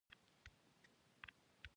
هغه د الله نوازخان د پلار په کور کې لوی شوی.